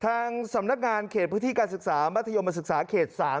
ทางสำนักงานเขตพื้นที่การศึกษามัธยมศึกษาเขต๓